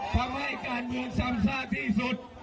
ทำให้การเมืองซ้ำซากที่สุด